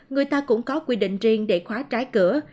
người ta cũng có quy định riêng để khóa trái cửa